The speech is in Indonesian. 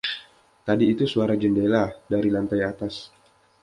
Tadi itu suara jendela, dari lantai atas!